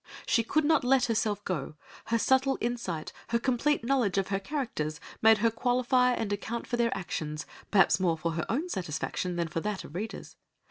She could not let herself go; her subtle insight, her complete knowledge of her characters, made her qualify and account for their actions, perhaps more for her own satisfaction than for that of readers.